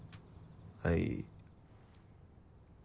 はい。